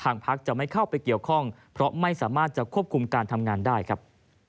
พักจะไม่เข้าไปเกี่ยวข้องเพราะไม่สามารถจะควบคุมการทำงานได้ครับ